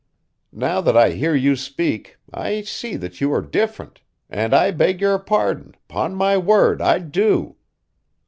Now that I hear you speak, I see that you are different, and I beg your pardon, 'pon my word, I do.